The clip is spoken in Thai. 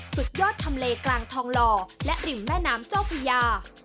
สุดยอดทำเลกลางทองหล่อและริมแม่น้ำเจ้าพญา